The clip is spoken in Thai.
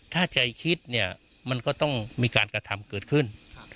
ถ้าใจคิดเนี่ยมันก็ต้องมีการกระทำเกิดขึ้น